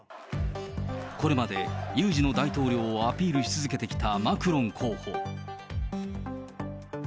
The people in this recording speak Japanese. これまで、有事の大統領をアピールし続けてきたマクロン候補。